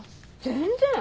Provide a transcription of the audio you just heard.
全然！